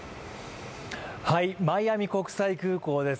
マイアミ国際空港です。